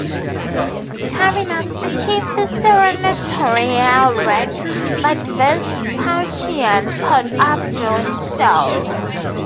Sabinus achieved the senatorial rank, but Vespasian put off doing so.